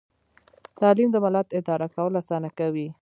تعلیم د ملت اداره کول اسانه کوي.